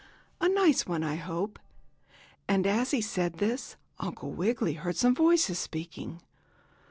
"A nice one, I hope." And, as he said this, Uncle Wiggily heard some voices speaking.